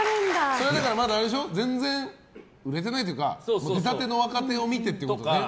それはまだ全然売れてないというか出たての若手を見てってことで。